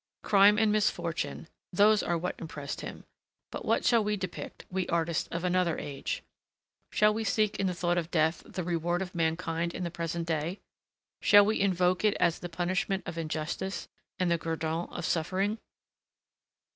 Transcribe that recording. Crime and misfortune, those are what impressed him; but what shall we depict, we artists of another age? Shall we seek in the thought of death the reward of mankind in the present day? Shall we invoke it as the punishment of injustice and the guerdon of suffering?